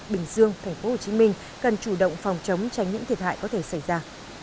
bình dương tp hcm cần chủ động phòng chống tránh những thiệt hại có thể xảy ra